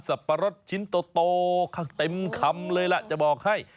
ปะรดชิ้นโตเต็มคำเลยล่ะจะบอกให้